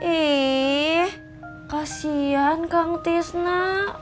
ih kasian kang tisna